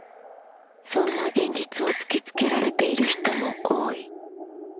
そんな現実を突きつけられている人も多い。